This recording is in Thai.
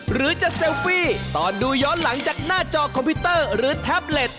หรือจะเซลฟี่ตอนดูย้อนหลังจากหน้าจอคอมพิวเตอร์หรือแท็บเล็ต